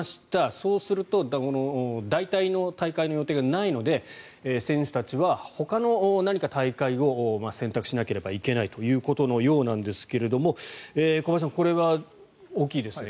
そうすると代替の大会の予定がないので選手たちはほかの何か大会を選択しなければいけないということのようなんですが小林さん、これは大きいですね。